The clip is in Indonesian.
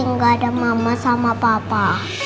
nggak ada mama sama papa